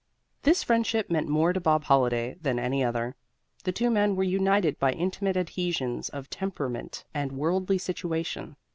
This friendship meant more to Bob Holliday than any other. The two men were united by intimate adhesions of temperament and worldly situation.